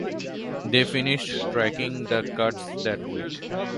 They finished tracking the cuts that week.